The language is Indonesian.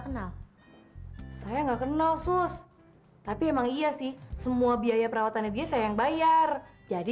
kenal saya nggak kenal sus tapi emang iya sih semua biaya perawatannya dia saya yang bayar jadi